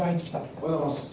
おはようございます。